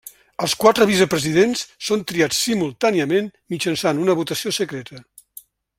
Els quatre vicepresidents són triats simultàniament mitjançant una votació secreta.